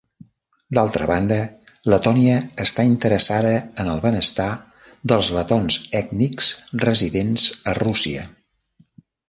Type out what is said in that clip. D'altra banda, Letònia està interessada en el benestar dels letons ètnics residents a Rússia.